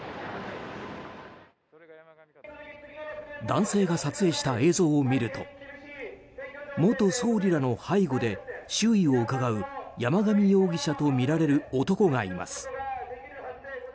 男性が撮影した映像を見ると元総理らの背後で周囲をうかがう山上容疑者とみられる男がいます。